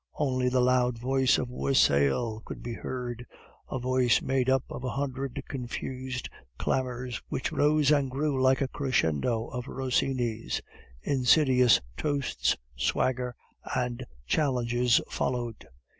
Only the loud voice of wassail could be heard, a voice made up of a hundred confused clamors, which rose and grew like a crescendo of Rossini's. Insidious toasts, swagger, and challenges followed.